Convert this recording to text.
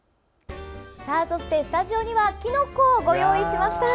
スタジオにはきのこをご用意しました。